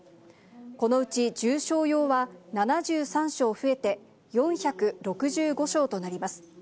このうち重症用は、７３床増えて４６５床となります。